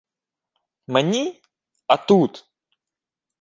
— Мені? А тут?